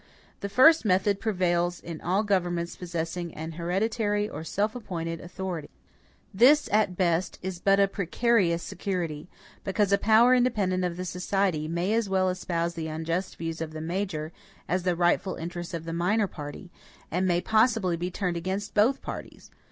The first method prevails in all governments possessing an hereditary or self appointed authority. This, at best, is but a precarious security; because a power independent of the society may as well espouse the unjust views of the major, as the rightful interests of the minor party, and may possibly be turned against both parties.